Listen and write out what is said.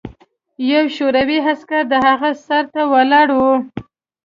یو شوروي عسکر د هغه سر ته ولاړ و